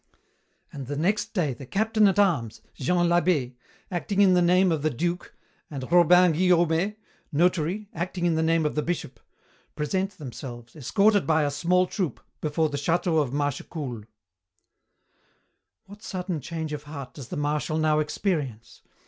"And the next day the captain at arms, Jean Labbé, acting in the name of the duke, and Robin Guillaumet, notary, acting in the name of the Bishop, present themselves, escorted by a small troop, before the château of Mâchecoul. "What sudden change of heart does the Marshal now experience?